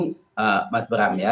yang paling penting mas bram ya